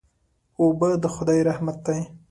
اوبه د خدای رحمت دی.